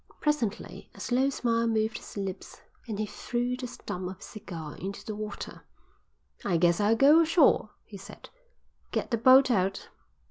Presently a slow smile moved his lips and he threw the stump of his cigar into the water. "I guess I'll go ashore," he said. "Get the boat out."